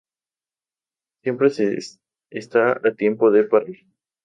Siempre se está a tiempo de parar.